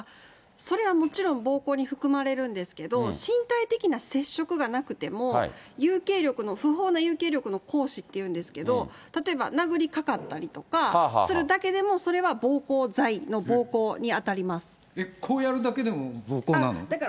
それはもちろん暴行に含まれるんですけど、身体的な接触がなくても、有形力の、不法な有形力の行使というんですけど、例えば殴りかかったりとかするだけでも、それは暴行罪の暴行に当たります。